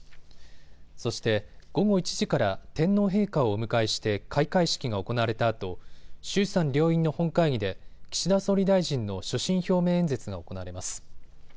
そして午後１時から天皇陛下をお迎えして開会式が行われたあと衆参両院の本会議で岸田総理大臣の所信表明演説が行われます。